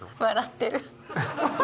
笑ってる。